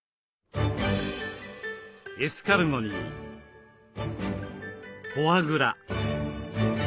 エスカルゴにフォアグラ。